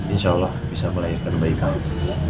insya allah bisa melahirkan bayi kamu